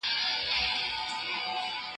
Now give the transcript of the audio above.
هغه بل موږك را ودانگل ميدان ته